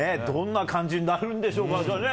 どんな感じになるんでしょうか。